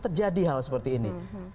terjadi hal seperti ini